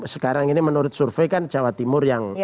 sekarang ini menurut survei kan jawa timur yang